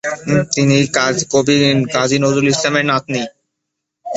তিনি কবি কাজী নজরুল ইসলামের নাতনী।